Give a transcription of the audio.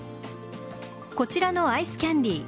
こちらのアイスキャンディー